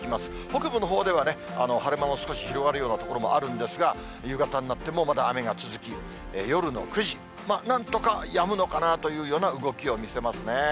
北部のほうでは晴れ間も少し広がるような所もあるんですが、夕方になってもまだ雨が続き、夜の９時、なんとかやむのかなというような動きを見せますね。